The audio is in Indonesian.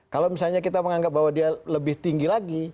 kalau misalnya kita menganggap bahwa dia lebih tinggi lagi